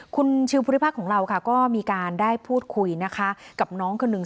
คุณชิวพุทธิภาคของเราก็มีการได้พูดคุยกับน้องคือหนึ่ง